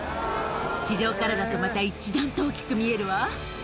地上からだとまた一段と大きく見えるわ。